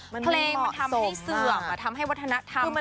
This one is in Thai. เขาบอกว่าเป็นเพลงมันทำให้เสื่อม